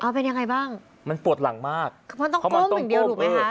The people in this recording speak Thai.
อ้าวเป็นยังไงบ้างมันปวดหลังมากเพราะมันต้องก้มอย่างเดียวถูกมั้ยฮะ